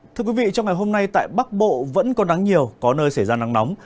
thưa quý vị trong ngày hôm nay tại bắc bộ vẫn có nắng nhiều có nơi xảy ra nắng nóng